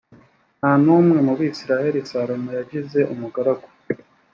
nta n umwe mu bisirayeli salomo yagize umugaragu